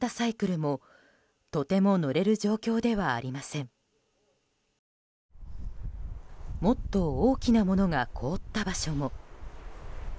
もっと大きなものが凍った場所も。